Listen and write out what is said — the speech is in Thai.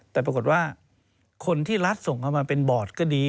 แต่ปรากฏว่าคนที่รัฐส่งเข้ามาเป็นบอร์ดก็ดี